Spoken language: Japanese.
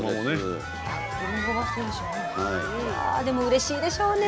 でもうれしいでしょうね。